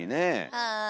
はい。